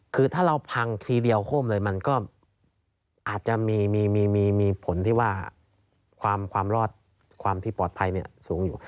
คือถ้าเราพังทีเดียวโค้มเลยมันก็อาจจะมีผลที่ว่าความที่ปลอดภัยสูงอยู่